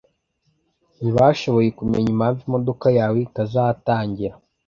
Ntibashoboye kumenya impamvu imodoka yawe itazatangira